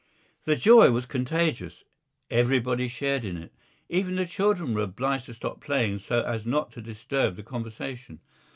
The joy was contagious. Everybody shared in it. Even the children were obliged to stop playing so as not to disturb the conversation.